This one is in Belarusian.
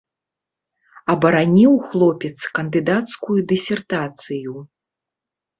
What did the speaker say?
Абараніў хлопец кандыдацкую дысертацыю.